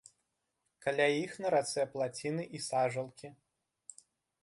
Каля іх на рацэ плаціны і сажалкі.